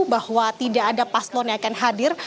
bahwa tidak ada paslon yang akan hadir